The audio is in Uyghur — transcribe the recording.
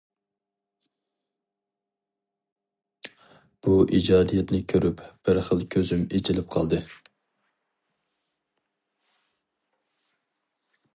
بۇ ئىجادىيەتنى كۆرۈپ بىر خىل كۆزۈم ئېچىلىپ قالدى.